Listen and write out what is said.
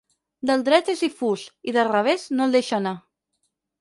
Del dret és difús i del revés, no el deixa anar.